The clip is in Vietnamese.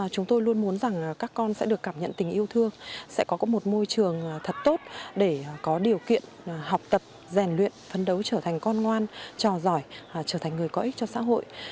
chúng tôi luôn muốn rằng các con sẽ được cảm nhận tình yêu thương sẽ có một môi trường thật tốt để có điều kiện học tập rèn luyện phấn đấu trở thành con ngoan trò giỏi trở thành người có ích cho xã hội